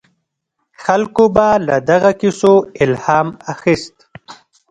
خلکو به له دغو کیسو الهام اخیست.